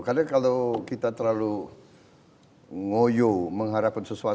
karena kalau kita terlalu ngoyo mengharapkan sesuatu